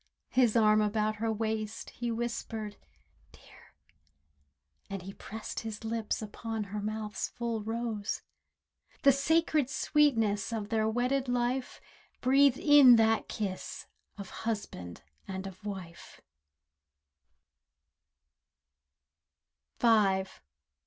His arm about her waist, he whispered "Dear," And pressed his lips upon her mouth's full rose— The sacred sweetness of their wedded life Breathed in that kiss of husband and of wife.